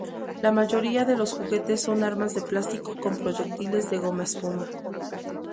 La mayoría de los juguetes son armas de plástico con proyectiles de gomaespuma.